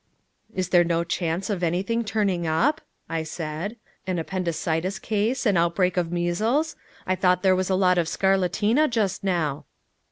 "Is there no chance of anything turning up?" I said. "An appendicitis case an outbreak of measles? I thought there was a lot of scarlatina just now."